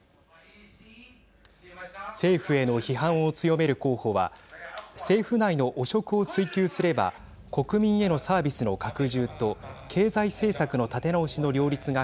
政府への批判を強める候補は政府内の汚職を追及すれば国民へのサービスの拡充と経済政策の立て直しの両立が